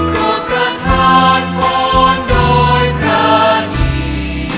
รวดพระธาตุผลโดยพระนี